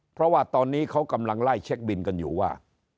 เพราะว่าตอนนี้เขากำลังไล่เช็คบินกันอยู่ว่า